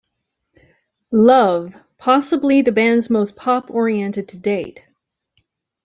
Love, possibly the band's most pop-orientated to date.